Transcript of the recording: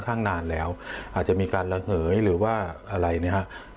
ข้างนานแล้วอาจจะมีการระเหยหรือว่าอะไรเนี่ยฮะ